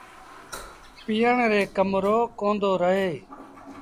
پيٚئڻ ري ڪم رو ڪوندو رهي۔